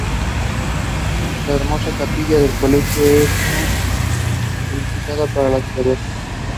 La hermosa capilla del colegio es muy solicitada para la celebración de matrimonios.